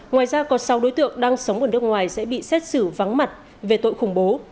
ngoài ra còn sáu đối tượng đang sống ở nước ngoài sẽ bị xét xử vắng mặt về tội khủng bố